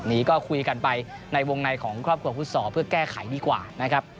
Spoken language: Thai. นี้ก็คุยกันไปในวงในของครอบครัวฟุตซอลเพื่อแก้ไขดีกว่านะครับ